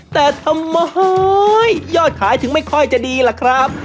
แต่ทำไมยอดขายถึงไม่ค่อยจะดีล่ะครับ